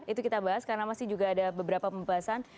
itu kita bahas karena masih juga ada beberapa pembahasan